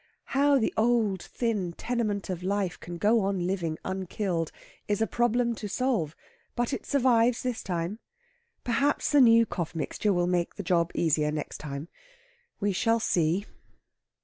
How the old, thin tenement of life can go on living unkilled is a problem to solve. But it survives this time. Perhaps the new cough mixture will make the job easier next time. We shall see.